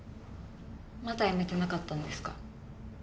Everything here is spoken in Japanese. まだやめてなかったんですか？